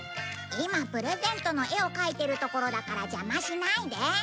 今プレゼントの絵を描いてるところだから邪魔しないで。